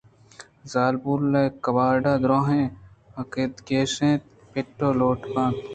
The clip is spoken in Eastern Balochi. زالبول ءَ کباٹ ءِ دُرٛاہیں کاگد کش اِت اَنتءُپٹ ءُلوٹ بنا کُت